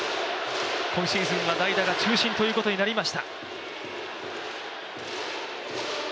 今シーズンは代打が中心ということになりました。